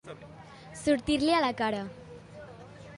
Sortir-li a la cara.